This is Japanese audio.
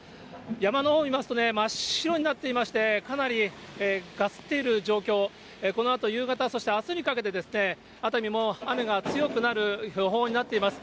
山のほう見ますとね、真っ白になっていまして、かなりガスっている状況、このあと夕方、そしてあすにかけて、熱海も雨が強くなる予報になっています。